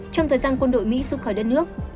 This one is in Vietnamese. trong thời gian quân đội mỹ rút khỏi đất nước